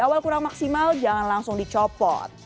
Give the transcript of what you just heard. kalau di awal kurang maksimal jangan langsung dicopot